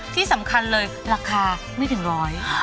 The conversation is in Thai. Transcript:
ที่สำคัญเลยราคาไม่ถึงร้อย